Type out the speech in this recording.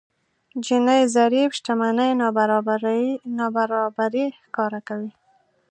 جيني ضريب شتمنۍ نابرابري ښکاره کوي.